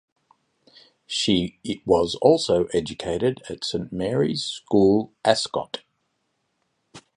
She was also educated at Saint Mary's School Ascot.